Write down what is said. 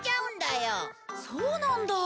そうなんだ。